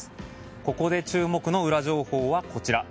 ここで注目のウラ情報はこちら。